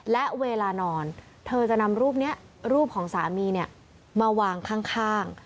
และเวลานอนเธอจะนำรูปนี้รูปของสามีมาวางข้าง